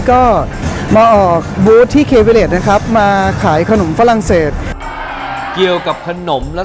ก็มาออกที่นะครับมาขายขนมฝรั่งเศสเกี่ยวกับขนมและ